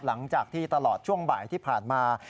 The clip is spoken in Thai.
หลังจากที่ตลอดช่วงบ่ายที่ผ่านมา